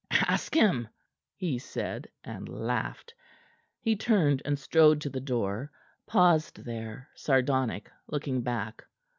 "Ask him," he said, and laughed. He turned and strode to the door. Paused there, sardonic, looking back.